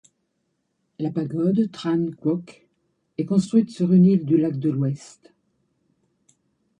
La Pagode Trấn Quốc est construite sur une île du lac de l'ouest.